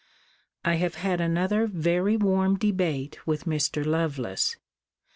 I have had another very warm debate with Mr. Lovelace.